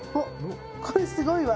これすごいわ。